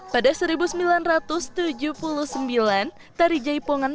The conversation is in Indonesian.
pada seribu sembilan ratus tujuh puluh sembilan tari jaipongan pertama kembali di jawa barat